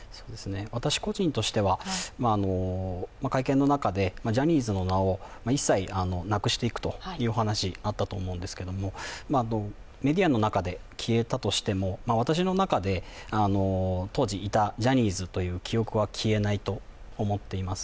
私個人としては、会見の中でジャニーズの名を一切なくしていくというお話、あったと思うんですけどメディアの中で消えたとしても私の中で当時いたジャニーズという記憶は消えないと思っています。